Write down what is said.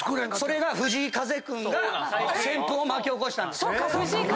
それが藤井風君が旋風を巻き起こしたんです。